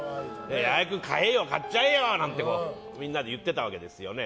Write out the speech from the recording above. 矢作君、買っちゃえよなんてみんなで言ってたわけなんですね。